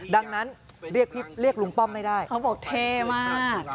ดังนั้นเรียกลุงป้อมไม่ได้เขาบอกเท่มาก